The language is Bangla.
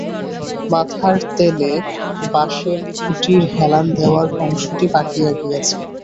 মাথার তেলে বাঁশের খুঁটির হেলান দেওয়ার অংশটি পাকিয়া গিয়াছে।